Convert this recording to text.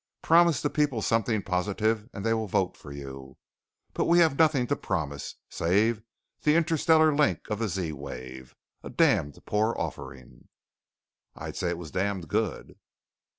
Promise the people something positive and they will vote for you. But we have nothing to promise save the interstellar link of the Z wave. A damned poor offering." "I'd say it was damned good."